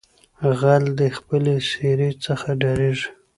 ـ غل دې خپلې سېرې څخه ډاريږي.